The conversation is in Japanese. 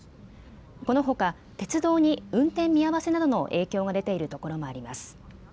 このほか鉄道に運転見合わせなどの影響が出ているところもあります。